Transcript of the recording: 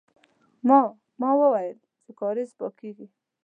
ما، ما ويل چې کارېز پاکيږي.